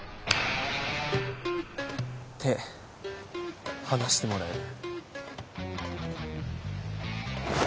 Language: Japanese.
手離してもらえる？